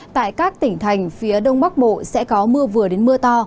tại các tỉnh thành phía đông bắc bộ sẽ có mưa vừa đến mưa to